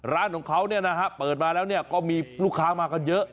ร้านของเขาเนี่ยนะฮะเปิดมาแล้วก็มีลูกค้ามากันเยอะ